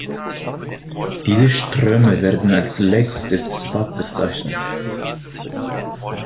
Diese Ströme werden als „Legs“ des Swap bezeichnet.